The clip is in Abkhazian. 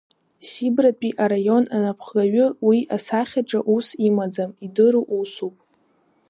Сибратәи араион анапхгаҩы уи асахьаҿы ус имаӡам, идыру усуп!